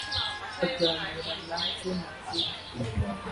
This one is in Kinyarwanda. Aganira na Jeune Afrique